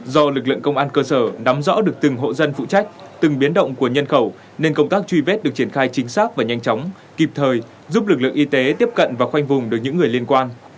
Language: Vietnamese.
do lực lượng công an cơ sở nắm rõ được từng hộ dân phụ trách từng biến động của nhân khẩu nên công tác truy vết được triển khai chính xác và nhanh chóng kịp thời giúp lực lượng y tế tiếp cận và khoanh vùng được những người liên quan